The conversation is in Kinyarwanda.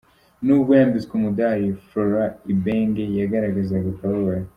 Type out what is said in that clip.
Nubwo yambitswe umudali, Florent Ibenge yagaragazaga akababaro .